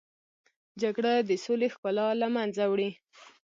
جګړه د سولې ښکلا له منځه وړي